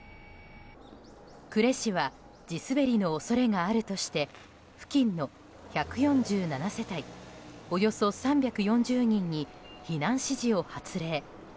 呉市は地滑りの恐れがあるとして付近の１４７世帯およそ３４０人に避難指示を発令。